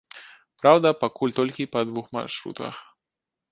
Праўда, пакуль толькі па двух маршрутах.